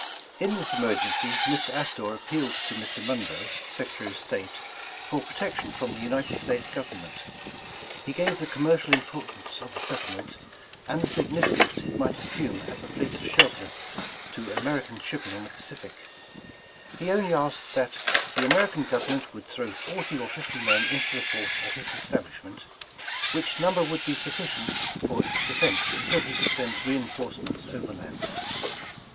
In this emergency, Mr. Astor appealed to Mr. Mon roe, Secretary of State, for protection from the United States Government. He gave the commercial importance of the settlement, and the significance it might assume 204 Despatches to Mr. Astor as a place of shelter to American shipping on the Pacif ic. He only asked that ''the American government would throw forty or fifty men into the fort at his es tablishment, which number would be sufficient for its defense until he could send reinforcements overland."